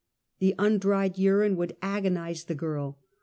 The undried urine would ^■ agonize the girl.